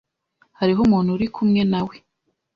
Hariho umuntu uri kumwe nawe?